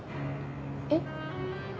えっ？